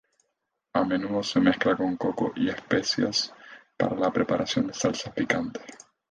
A menudo se mezcla con coco y especias para la preparación de salsas picantes.